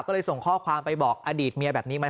ก็เลยส่งข้อความไปบอกอดีตเมียแบบนี้มา